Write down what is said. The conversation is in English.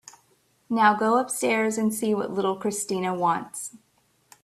Now go upstairs and see what little Christina wants.